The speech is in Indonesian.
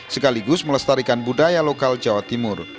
sekaligus melestarikan budaya lokal jawa timur